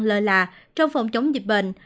lơ lạ trong phòng chống dịch bệnh